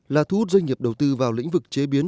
là thu hút doanh nghiệp đầu tư vào lĩnh vực chế biến